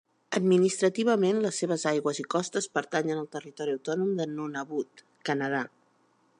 Administrativament les seves aigües i costes pertanyen al territori autònom de Nunavut, Canadà.